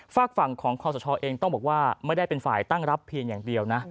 ฝากฝั่งของคอสชเองต้องบอกว่าไม่ได้เป็นฝ่ายตั้งรับเพียงอย่างเดียวนะ